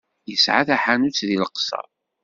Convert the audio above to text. Yesɛa taḥanut deg Leqṣeṛ?